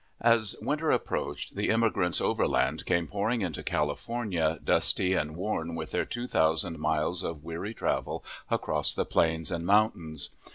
As winter approached, the immigrants overland came pouring into California, dusty and worn with their two thousand miles of weary travel across the plains and mountains.